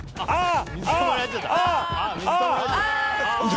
ああ。